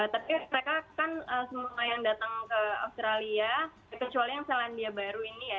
tapi mereka kan semua yang datang ke australia kecuali yang selandia baru ini ya